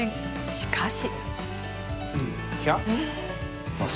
しかし。